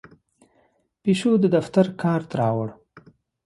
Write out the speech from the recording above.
پیشو د دفتر کارت راوړ.